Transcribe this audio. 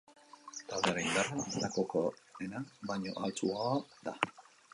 Taldearen indarra banakakoena baino ahaltsuagoa da.